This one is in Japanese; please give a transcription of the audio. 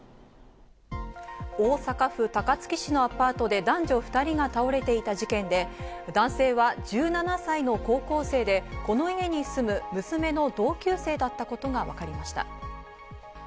大阪府高槻市のアパートで男女２人が倒れていた事件で、男性は１７歳の高校生でこの家に住む娘の同級生だったことがわかりました。